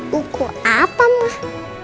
buku apa mbak